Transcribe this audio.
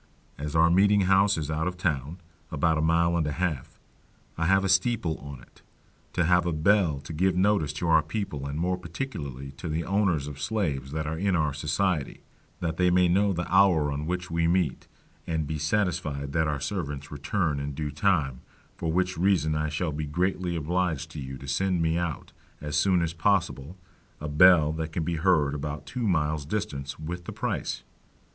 As our meeting house is out of town "(about a mile and a half)," I have a steeple on it, to have a bell to give notice to our people and more particularly to the owners of Slaves that are in our society, that they may know the hour on which we meet, and be satisfied that our servants return in due time; for which reason I shall be greatly obliged to you to send me out, as soon as possible, a bell that can be heard about two miles distance, with the price.